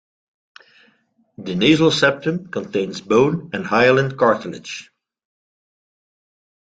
The nasal septum contains bone and hyaline cartilage.